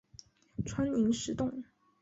川黔石栎